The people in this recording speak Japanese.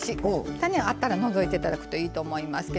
種があったら除いていただいたらいいと思います。